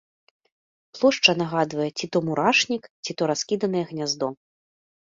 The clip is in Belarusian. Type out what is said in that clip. Плошча нагадвае ці то мурашнік, ці то раскіданае гняздо.